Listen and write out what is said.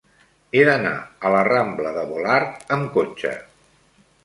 He d'anar a la rambla de Volart amb cotxe.